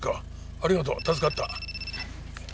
ありがとう助かった。